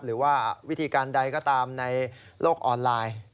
หรือว่าวิธีการใดก็ตามในโลกออนไลน์